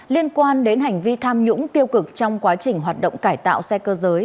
liên quan đến hành vi tham nhũng tiêu cực trong quá trình hoạt động cải tạo xe cơ giới